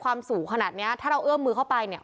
ความสูงขนาดเนี้ยถ้าเราเอื้อมมือเข้าไปเนี่ย